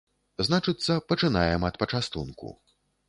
Значыцца, пачынаем ад пачастунку.